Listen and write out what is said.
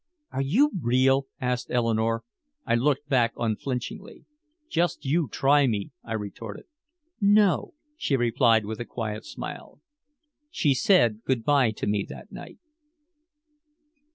"Are you real?" asked Eleanore. I looked back unflinchingly. "Just you try me," I retorted. "No," she replied with a quiet smile. She said good by to me that night.